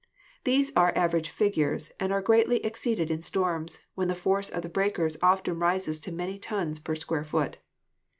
These are average figures and are greatly exceeded in storms, when the force of the breakers often rises to many tons per square foot.